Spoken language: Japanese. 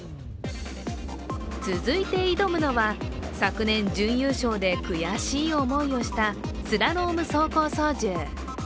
続いて挑むのは、昨年準優勝で悔しい思いをしたスラローム走行操縦。